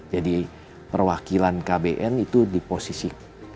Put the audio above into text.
jadi perwakilan kbn itu di posisi